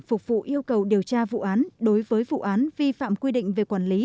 phục vụ yêu cầu điều tra vụ án đối với vụ án vi phạm quy định về quản lý